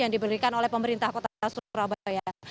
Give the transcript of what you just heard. yang diberikan oleh pemerintah kota surabaya